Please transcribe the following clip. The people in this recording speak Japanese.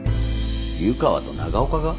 湯川と長岡が？